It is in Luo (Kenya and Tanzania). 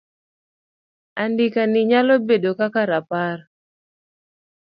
Andika ni nyalo bedo kaka rapar